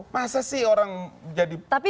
masa sih orang jadi